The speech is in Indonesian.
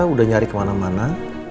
udah nyari kemana mana